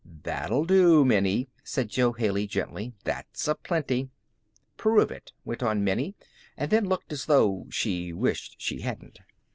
"That'll do, Minnie," said Jo Haley, gently. "That's a plenty." "Prove it," went on Minnie, and then looked as though she wished she hadn't.